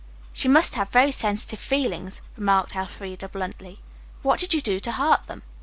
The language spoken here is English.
"She must have very sensitive feelings," remarked Elfreda bluntly. "What did you do to hurt them?"